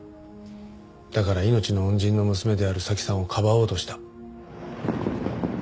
だから命の恩人の娘である早紀さんをかばおうとした。